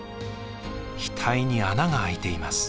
額に穴が開いています。